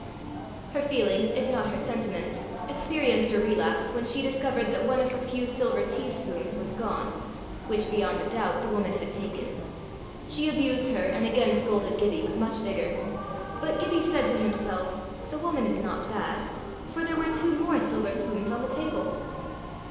Her feelings, if not her sentiments, experienced a relapse when she discovered that one of her few silver tea spoons was gone which, beyond a doubt, the woman had taken: she abused her, and again scolded Gibbie, with much vigour. But Gibbie said to himself, "The woman is not bad, for there were two more silver spoons on the table."